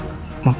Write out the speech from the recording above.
bapak mau berapa